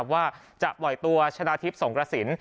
ว่าจะปล่อยตัวชนะทิพย์สงกระสิน